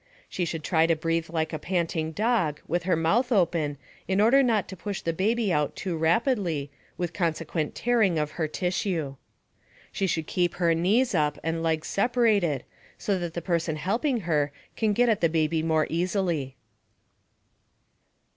She should try to breathe like a panting dog with her mouth open in order not to push the baby out too rapidly with consequent tearing of her tissue. She should keep her knees up and legs separated so that the person helping her can get at the baby more easily.